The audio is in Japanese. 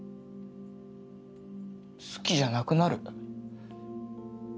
好きじゃなくなる。